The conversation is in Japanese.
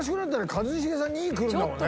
一茂さん２位にくるんだもんね。